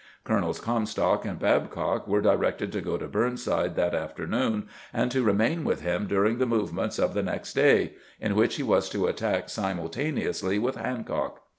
Colonels Comstock and Babeock were directed to go to Burnside that afternoon, and to remain with him during the movements of the next day, in which he was to attack simultaneously with Han cock.